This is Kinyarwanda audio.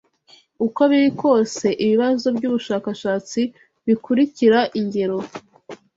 Uko biri kose ibibazo by’ushakashatsi bikurikira ingero